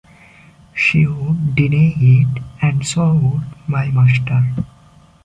She’d deny it, and so would my master.